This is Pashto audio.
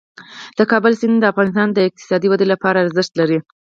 د کابل سیند د افغانستان د اقتصادي ودې لپاره ارزښت لري.